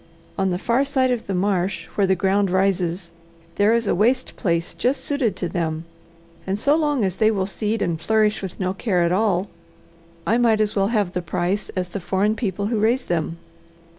On the far side of the marsh, where the ground rises, there is a waste place just suited to them, and so long as they will seed and flourish with no care at all, I might as well have the price as the foreign people who raise them.